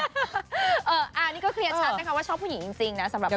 อันนี้ก็เคลียร์ชัดนะคะว่าชอบผู้หญิงจริงนะสำหรับ